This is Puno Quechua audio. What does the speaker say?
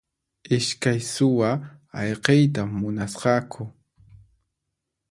Iskay suwa ayqiyta munasqaku.